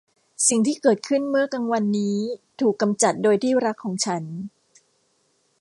สิ่งที่เกิดขึ้นเมื่อกลางวันนี้ถูกกำจัดโดยที่รักของฉัน